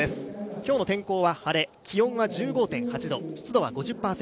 今日の天候は晴れ、気温は１５．８度、湿度は５０％。